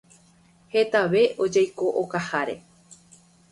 Hetave ojeiko okaháre.